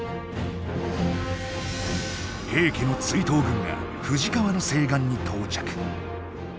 平家の追討軍が富士川の西岸に到着。